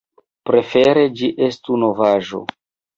Prefere ĝi estu novaĵo.